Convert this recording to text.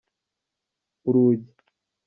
urugi.